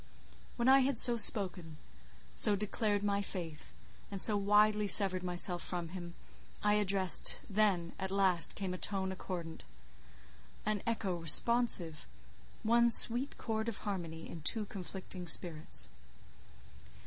When I had so spoken, so declared my faith, and so widely severed myself, from him I addressed—then, at last, came a tone accordant, an echo responsive, one sweet chord of harmony in two conflicting spirits.